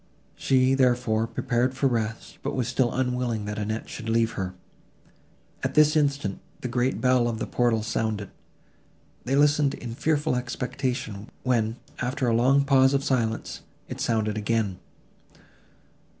She, therefore, prepared for rest, but was still unwilling that Annette should leave her. At this instant, the great bell of the portal sounded. They listened in fearful expectation, when, after a long pause of silence, it sounded again.